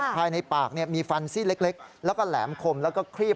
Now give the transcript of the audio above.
ภายในปากมีฟันซี่เล็กแล้วก็แหลมคมแล้วก็ครีบ